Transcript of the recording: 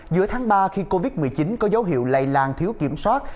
giữa tháng ba khi covid một mươi chín có dấu hiệu lây lan thiếu kiểm soát